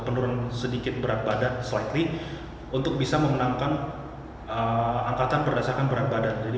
penurunan sedikit berat badan slidery untuk bisa memenangkan angkatan berdasarkan berat badan jadi